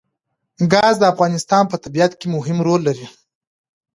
ګاز د افغانستان په طبیعت کې مهم رول لري.